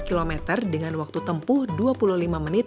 kediri sebelas km dengan waktu tempuh dua puluh lima menit